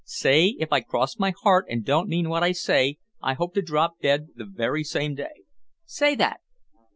"Say If I cross my heart and don't mean what I say, I hope to drop dead the very same day. Say that?"